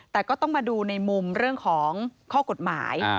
แต่ก็ต้องมาดูในมุมเรื่องของข้อกฎหมาย